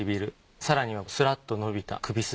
更にはすらっと伸びた首筋。